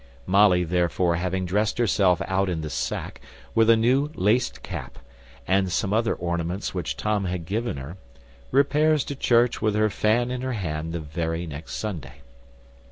Molly, therefore, having dressed herself out in this sack, with a new laced cap, and some other ornaments which Tom had given her, repairs to church with her fan in her hand the very next Sunday.